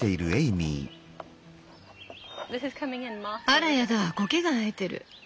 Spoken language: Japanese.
あらやだコケが生えてる。